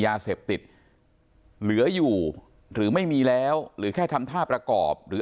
ยาเสพติดเหลืออยู่หรือไม่มีแล้วหรือแค่ทำท่าประกอบหรือ